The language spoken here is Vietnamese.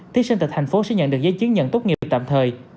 thí sinh tại tp sẽ nhận được giấy chứng nhận tốt nghiệp tạm thời